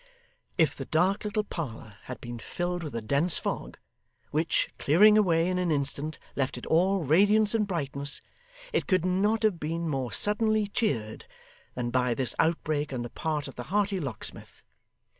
If the dark little parlour had been filled with a dense fog, which, clearing away in an instant, left it all radiance and brightness, it could not have been more suddenly cheered than by this outbreak on the part of the hearty locksmith.